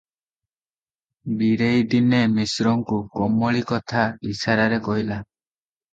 ବୀରେଇ ଦିନେ ମିଶ୍ରଙ୍କୁ କମଳୀ କଥା ଇଶାରାରେ କହିଲା ।